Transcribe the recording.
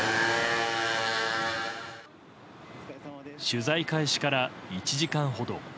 取材開始から１時間ほど。